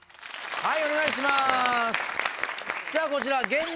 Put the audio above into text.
はい。